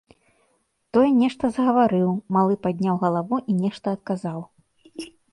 Той нешта загаварыў, малы падняў галаву і нешта адказаў.